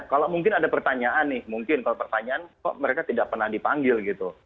kalau mungkin ada pertanyaan nih mungkin kalau pertanyaan kok mereka tidak pernah dipanggil gitu